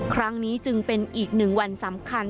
ครั้งนี้จึงเป็นอีกหนึ่งวันสำคัญ